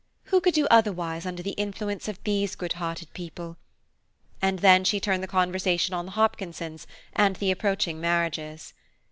"Who could do otherwise under the influence of these good hearted people?" and then she turned the conversation on the Hopkinsons, and the approaching marriages.